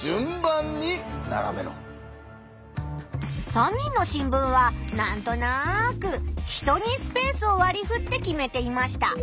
３人の新聞はなんとなく人にスペースをわりふって決めていました。